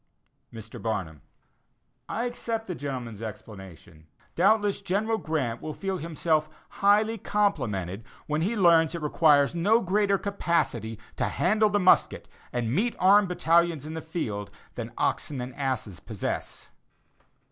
Mr. Barnum: I accept the gentleman's explanation. Doubtless General Grant will feel himself highly complimented when he learns that it requires no greater capacity to handle the musket, and meet armed battalions in the field, than "oxen and asses" possess.